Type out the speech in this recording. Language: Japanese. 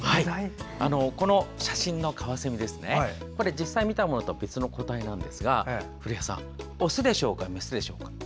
この写真のカワセミ実際見たものとは別の個体なんですがオスでしょうか、メスでしょうか。